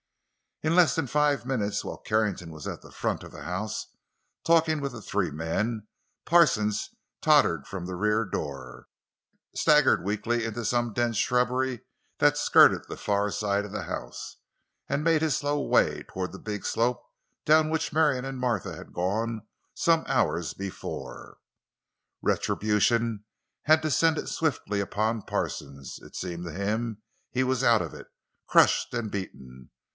In less than five minutes, while Carrington was at the front of the house talking with the three men, Parsons tottered from a rear door, staggered weakly into some dense shrubbery that skirted the far side of the house, and made his slow way toward the big slope down which Marion and Martha had gone some hours before. Retribution had descended swiftly upon Parsons; it seemed to him he was out of it, crushed and beaten.